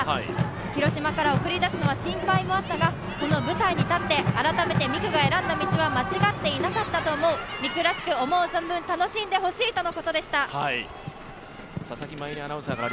広島から送り出すのは心配もあったが、この舞台に立って改めて美空が選んだ道は間違ってなかったと思う、美空らしく思う存分楽しんでほしいとのことでした。